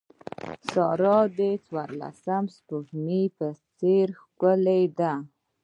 سارده د څوارلسم سپوږمۍ په څېر ښکلې ده.